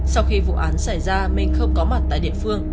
sau khi vụ án xảy ra minh không có mặt tại địa phương